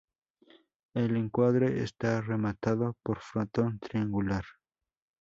El encuadre está rematado por frontón triangular.